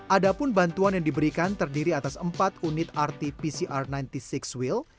ada pun bantuan yang diberikan terdiri atas empat unit rt pcr sembilan puluh enam wheel